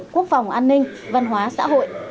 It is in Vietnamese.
quốc phòng an ninh văn hóa xã hội